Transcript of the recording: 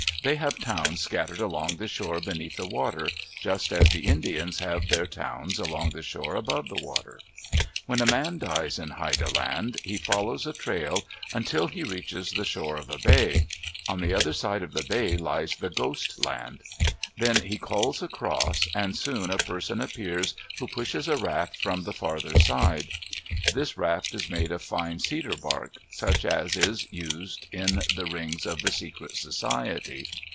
They have towns scattered along the shore beneath the water, just as the Indians have their towns along the shore above the water. When a man dies in Haida Land, he follows a trail until he reaches the shore of a bay. On the other side of the bay lies the Ghost Land. Then he calls across, and soon a person appears who pushes a raft from the farther side. This raft is made of fine cedar bark, such as is used in the rings of the secret society.